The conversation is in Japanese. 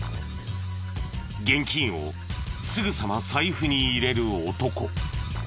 現金をすぐさま財布に入れる男。